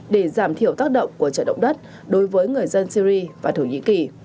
để giảm thiểu tác động của trận động đất đối với người dân syri và thổ nhĩ kỳ